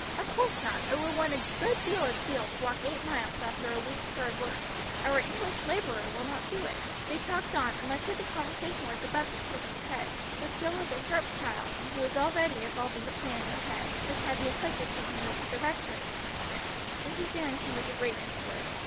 "Of course not. It would want a good deal of zeal to walk eight miles after a week's hard work. Our English labourer will not do it." They talked on, and much of the conversation was above the children's heads, but Jill was a sharp child, and she was already evolving a plan in her head, which had the effect of taking her to the Rectory the next day. Mrs. Errington was a great invalid.